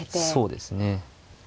そうですね。